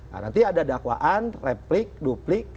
nah nanti ada dakwaan replik duplik